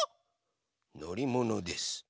のりものです。